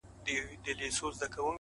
پوهه د راتلونکو نسلونو میراث دی!